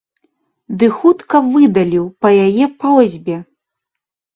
Ды хутка выдаліў па яе просьбе.